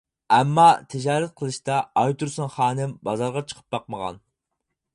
ئەمما، تىجارەت قىلىشتا ئايتۇرسۇن خانىم بازارغا چىقىپ باقمىغان.